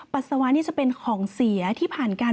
ปัสสาวะนี่จะเป็นของเสียที่ผ่านการ